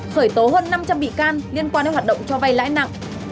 khởi tố hơn năm trăm linh bị can liên quan đến hoạt động cho vay lãi nặng